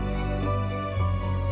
bergzahyi ingin konsumsi